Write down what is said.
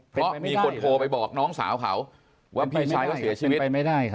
เพราะมีคนโทรไปบอกน้องสาวเขาว่าพี่ชายก็เสียชีวิตเป็นไปไม่ได้ครับ